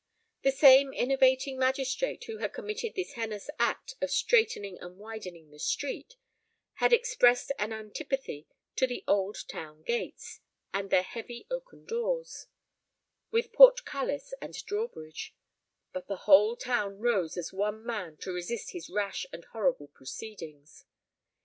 The same innovating magistrate who had committed the heinous act of straightening and widening the street, had expressed an antipathy to the old town gates, and their heavy oaken doors, with portcullis and draw bridge; but the whole town rose as one man to resist his rash and horrible proceedings.